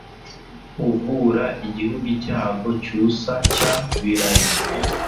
Uvura igihugu icyago cyusa cya Birari